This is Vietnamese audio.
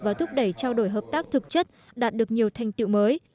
và thúc đẩy trao đổi hợp tác thực chất đạt được nhiều thành tiệu mới